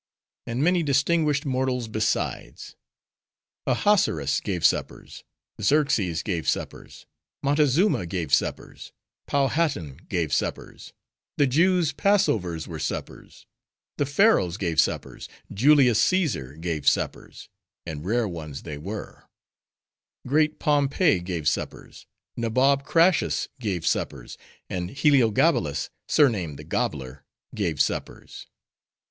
And many distinguished mortals besides. Ahasuerus gave suppers; Xerxes gave suppers; Montezuma gave suppers; Powhattan gave suppers; the Jews' Passovers were suppers; the Pharaohs gave suppers; Julius Caesar gave suppers:—and rare ones they were; Great Pompey gave suppers; Nabob Crassus gave suppers; and Heliogabalus, surnamed the Gobbler, gave suppers.